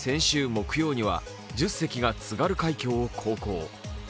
先週木曜には１０隻が津軽海峡を航行。